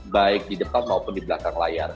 baik di depan maupun di belakang layar